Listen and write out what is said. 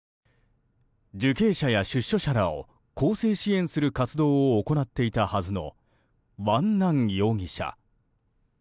受刑者や出所者らを更生支援する行っていたはずのワン・ナン容疑者。